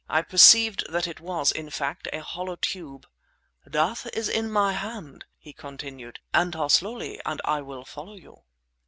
I perceived that it was, in fact, a hollow tube. "Death is in my hand," he continued; "enter slowly and I will follow you."